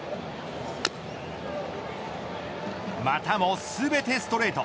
またもすべてストレート。